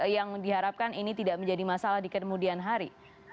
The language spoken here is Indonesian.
yang diharapkan ini tidak menjadi masalah di kemudian hari